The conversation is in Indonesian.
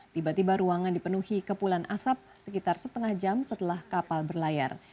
tiba tiba ruangan dipenuhi kepulan asap sekitar setengah jam setelah kapal berlayar